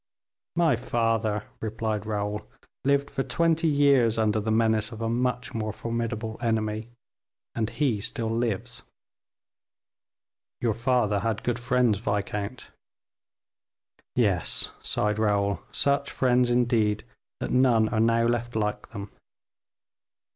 "My father," replied Raoul, "lived for twenty years under the menace of a much more formidable enemy, and he still lives." "Your father had good friends, viscount." "Yes," sighed Raoul, "such friends, indeed, that none are now left like them."